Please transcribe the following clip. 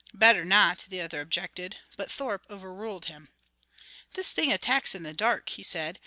"Better not," the other objected; but Thorpe overruled him. "This thing attacks in the dark," he said.